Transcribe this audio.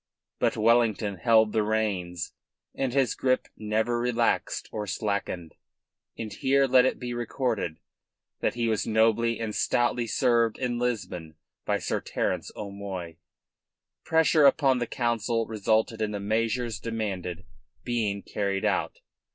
But Wellington held the reins, and his grip never relaxed or slackened. And here let it be recorded that he was nobly and stoutly served in Lisbon by Sir Terence O'Moy. Pressure upon the Council resulted in the measures demanded being carried out.